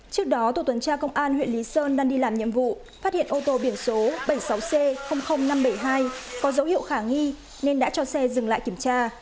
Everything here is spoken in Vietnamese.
trước đó tổ tuần tra công an huyện lý sơn đang đi làm nhiệm vụ phát hiện ô tô biển số bảy mươi sáu c năm trăm bảy mươi hai có dấu hiệu khả nghi nên đã cho xe dừng lại kiểm tra